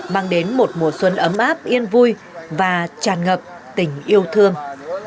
mang đến một mùa xuân ấm áp yên vui và tràn ngập tình yêu thương